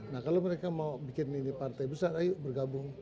nah kalau mereka mau bikin ini partai besar ayo bergabung